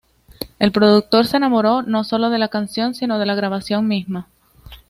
El productor se enamoró, no sólo de la canción, sino de la grabación misma.